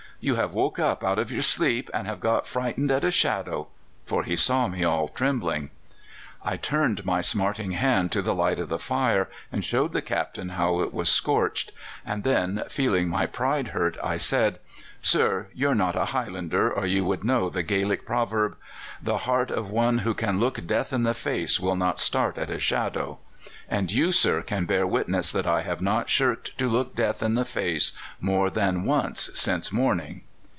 'You have woke up out of your sleep and have got frightened at a shadow' for he saw me all trembling. "I turned my smarting hand to the light of the fire and showed the Captain how it was scorched; and then, feeling my pride hurt, I said: 'Sir, you're not a Highlander, or you would know the Gaelic proverb, "The heart of one who can look death in the face will not start at a shadow," and you, sir, can bear witness that I have not shirked to look death in the face more than once since morning.